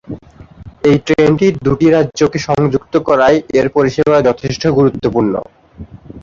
এই ট্রেনটি দুটি রাজ্যকে সংযুক্ত করায় এর পরিসেবা যথেষ্ট গুরুত্বপূর্ণ।